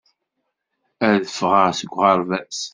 Ad ffɣeɣ seg uɣerbaz